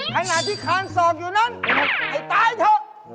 ขณะที่คานศอกอยู่นั้นไอ้ตายเถอะ